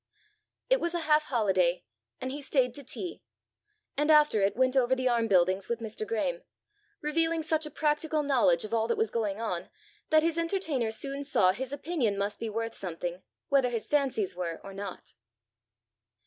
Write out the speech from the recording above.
It was a half holiday, and he stayed to tea, and after it went over the arm buildings with Mr. Graeme, revealing such a practical knowledge of all that was going on, that his entertainer soon saw his opinion must be worth something whether his fancies were or not.